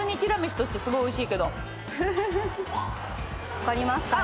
分かりますかね？